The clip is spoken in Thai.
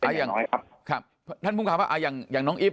เป็นอย่างน้อยครับครับท่านภูมิความว่าอ่าอย่างอย่างน้องอีฟ